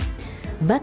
bagaimana cara membuatnya